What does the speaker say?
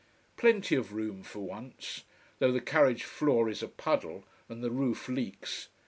Plenty of room, for once. Though the carriage floor is a puddle, and the roof leaks.